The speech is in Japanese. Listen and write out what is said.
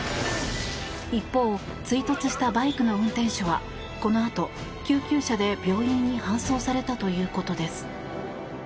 一方、追突したバイクの運転手はこのあと救急車で病院に搬送されたということです。